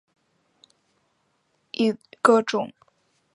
高茎毛兰为兰科毛兰属下的一个种。